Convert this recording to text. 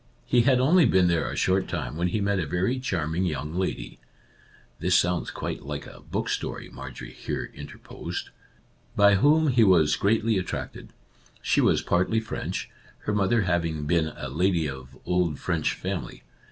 He had only been there a short time when he met a very charm ing young lady "(" This sounds quite like a book story," Marjorie here interposed) " by whom he was greatly attracted. She was partly French, her mother having been a lady of old French family.